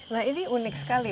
nah ini unik sekali